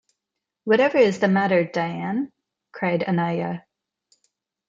“Whatever is the matter, Diane?” cried Anaya.